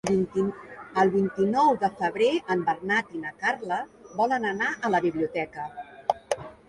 El vint-i-nou de febrer en Bernat i na Carla volen anar a la biblioteca.